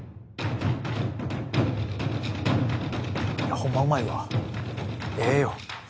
ホンマうまいわええよ。